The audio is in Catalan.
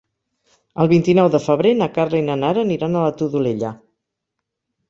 El vint-i-nou de febrer na Carla i na Nara aniran a la Todolella.